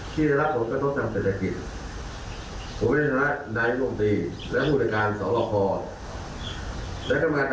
ที่เกิดผลกระทบกับพี่น้องผู้ชนชะมุมมาก